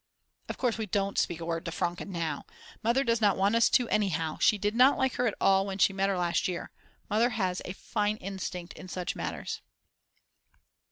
Of course we don't speak a word to Franke now. Mother does not want us to anyhow, she did not like her at all when she met her last year. Mother has a fine instinct in such matters.